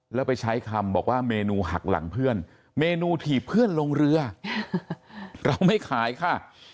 แล้วไปใช้คำบอกว่าเมนูหักหลังเพื่อนเมนูถีบเพื่อนลงเรือเราไม่ขายค่ะ